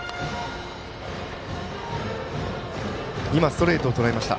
今、ストレートをとらえました。